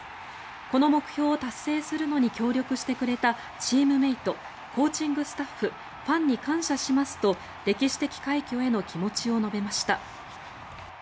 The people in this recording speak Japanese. この目標を達成するのに協力してくれたチームメートコーチングスタッフファンに感謝しますと歴史的快挙への気持ちを述べました。